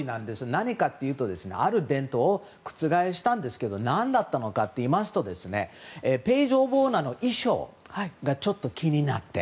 何かというとある伝統を覆したんですけど何だったのかというとページ・オブ・オナーの衣装がちょっと気になって。